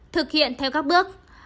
thực hiện theo các bước